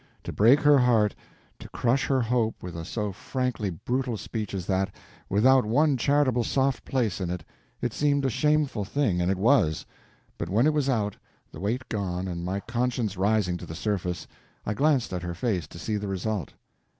To break her heart, to crush her hope with a so frankly brutal speech as that, without one charitable soft place in it—it seemed a shameful thing, and it was. But when it was out, the weight gone, and my conscience rising to the surface, I glanced at her face to see the result.